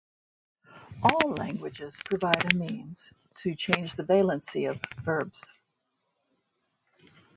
All languages provide a means to change the valency of verbs.